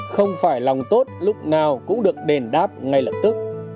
không phải lòng tốt lúc nào cũng được đền đáp ngay lập tức